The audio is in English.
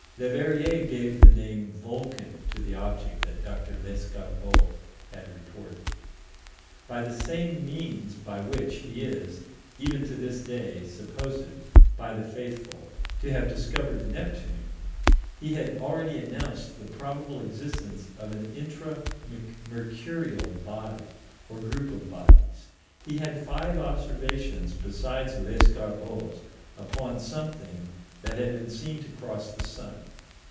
Leverrier gave the name "Vulcan" to the object that Dr. Lescarbault had reported. By the same means by which he is, even to this day, supposed by the faithful to have discovered Neptune, he had already announced the probable existence of an Intra Mercurial body, or group of bodies. He had five observations besides Lescarbault's upon something that had been seen to cross the sun.